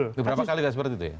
itu berapa kali kan seperti itu ya